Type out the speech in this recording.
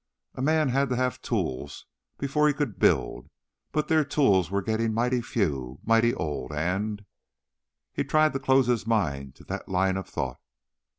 A man had to have tools before he could build, but their tools were getting mighty few, mighty old, and.... He tried to close his mind to that line of thought.